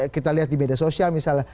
kita lihat di media sosial misalnya